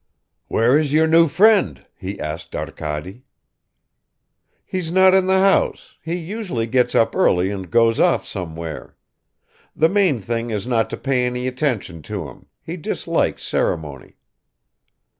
"Where is your new friend?" he asked Arkady. "He's not in the house; he usually gets up early and goes off somewhere. The main thing is not to pay any attention to him; he dislikes ceremony."